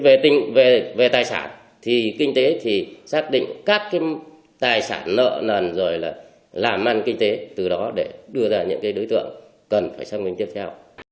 về tài sản thì kinh tế thì xác định các cái tài sản nợ nần rồi là làm ăn kinh tế từ đó để đưa ra những đối tượng cần phải xác minh tiếp theo